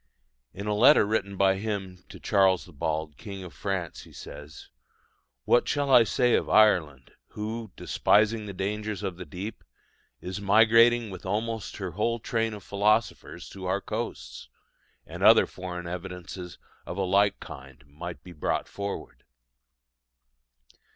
In a letter written by him to Charles the Bald, king of France, he says: "What shall I say of Ireland, who, despising the dangers of the deep, is migrating with almost her whole train of philosophers to our coasts?" And other foreign evidences of a like kind might be brought forward.